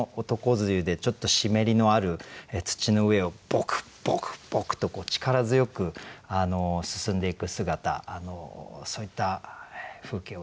梅雨でちょっと湿りのある土の上をぼくぼくぼくと力強く進んでいく姿そういった風景を詠んでみました。